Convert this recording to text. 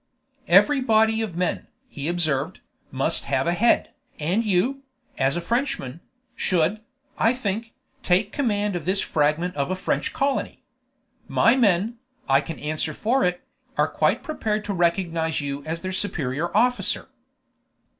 "Every body of men," he observed, "must have a head, and you, as a Frenchman, should, I think, take the command of this fragment of a French colony. My men, I can answer for it, are quite prepared to recognize you as their superior officer."